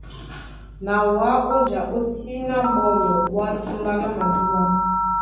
Na wǎ ó ja ó síná á ɓólɔ ɓwá túmbá lá madíɓá.